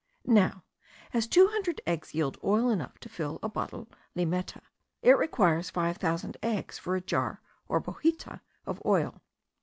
Now as two hundred eggs yield oil enough to fill a bottle (limeta), it requires five thousand eggs for a jar or botija of oil.